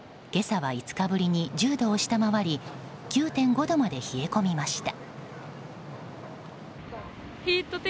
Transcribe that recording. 今朝は５日ぶりに１０度を下回り９．５度まで冷え込みました。